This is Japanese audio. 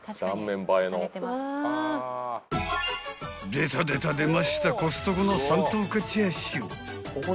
［出た出た出ましたコストコの山頭火チャーシュー］